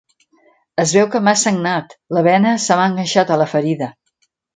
Es veu que m'ha sagnat: la bena se m'ha enganxat a la ferida.